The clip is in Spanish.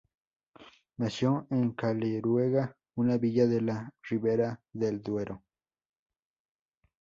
Nació en Caleruega, una villa de la Ribera del Duero.